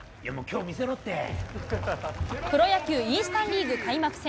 プロ野球イースタンリーグ開幕戦。